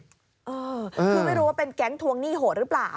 คือไม่รู้ว่าเป็นแก๊งทวงหนี้โหดหรือเปล่า